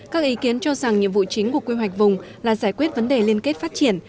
các ý kiến cho rằng nhiệm vụ chính của quy hoạch vùng là giải quyết vấn đề liên kết phát triển